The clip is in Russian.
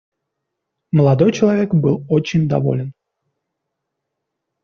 Молодой человек был очень доволен.